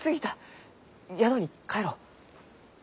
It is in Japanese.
宿に帰ろう。